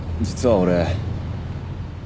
実は俺。